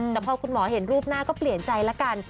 แต่พอคุณหมอเห็นรูปหน้าก็เปลี่ยนใจละกัน